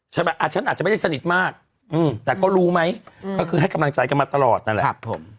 ฉันอาจจะไม่ได้สนิทมากแต่ก็รู้ไหมก็คือให้กำลังใจกันมาตลอดนั่นแหละ